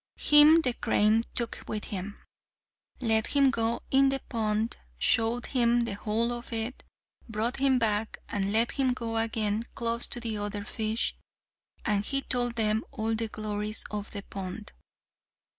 Him the crane took with him, let him go in the pond, showed him the whole of it, brought him back, and let him go again close to the other fish. And he told them all the glories of the pond.